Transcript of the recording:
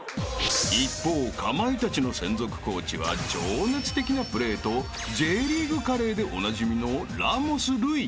［一方かまいたちの専属コーチは情熱的なプレーとＪリーグカレーでおなじみのラモス瑠偉］